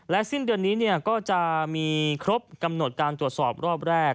สิ้นเดือนนี้ก็จะมีครบกำหนดการตรวจสอบรอบแรก